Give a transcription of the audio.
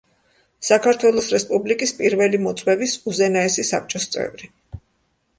საქართველოს რესპუბლიკის პირველი მოწვევის უზენაესი საბჭოს წევრი.